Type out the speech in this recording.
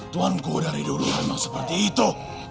tuan goh dari dulu memang seperti itu